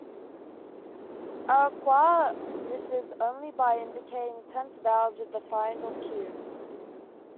Arakawa differs only by indicating tense vowels with a final -q.